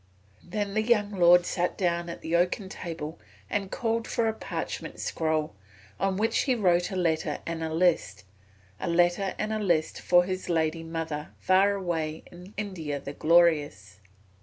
Then the young lord sat down at the oaken table and called for a parchment scroll on which he wrote a letter and a list, a letter and a list for his lady mother far away in India the Glorious.